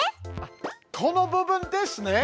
この部分ですね！